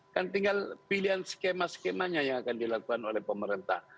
kan tinggal pilihan skema skemanya yang akan dilakukan oleh pemerintah